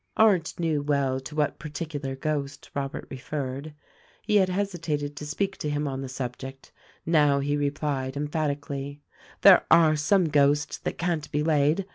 Arndt knew well to what particular ghost Robert referred. He had hesitated to speak to him on the subject; now he re plied emphatically : "There are some ghosts that can't be laid.